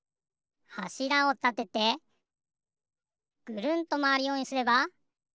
はしらをたててぐるんとまわるようにすれば。